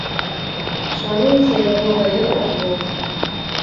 Шаруецца яго галлё аб воз.